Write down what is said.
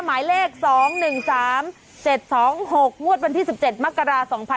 หมายเลข๒๑๓๗๒๖มบ๑๗มร๒๕๖๕